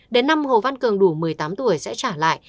đến năm hồ văn cường đủ một mươi tám tuổi sẽ trả lại